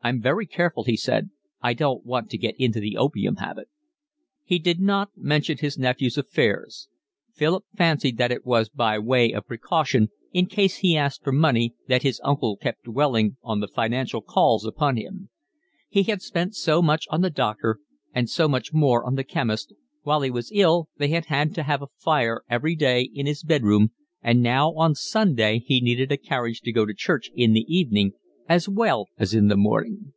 "I'm very careful," he said. "I don't want to get into the opium habit." He did not mention his nephew's affairs. Philip fancied that it was by way of precaution, in case he asked for money, that his uncle kept dwelling on the financial calls upon him. He had spent so much on the doctor and so much more on the chemist, while he was ill they had had to have a fire every day in his bed room, and now on Sunday he needed a carriage to go to church in the evening as well as in the morning.